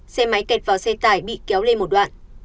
xe máy kẹt vào xe tải bị kéo lên một đoạn